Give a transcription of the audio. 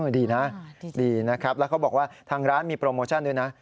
ดีนะดีนะครับแล้วเขาบอกว่าทางร้านมีโปรโมชั่นด้วยนะ